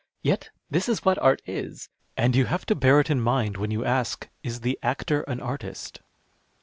Yet this is what art is, and you have to bear it in mind when you ask, " Is the actor an artist